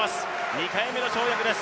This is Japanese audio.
２回目の跳躍です。